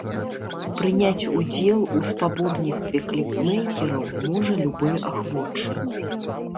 Прыняць удзел у спаборніцтве кліпмэйкераў, можа любы ахвочы.